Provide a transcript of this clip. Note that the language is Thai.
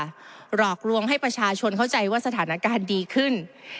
หลอกลวงให้ประชาชนเข้าใจว่าสถานการณ์ดีขึ้น